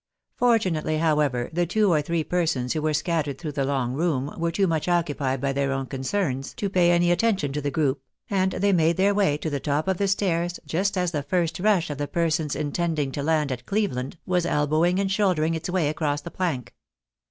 Fortunately, however, the two or three persons who were scattered through the long room, were too much occupied by their own concerns to pay any attention to the group, and they made their way to the top of the stairs just as the first rush of the persons intending to land at Cleveland, was elbowing and shouldering its way across the plank.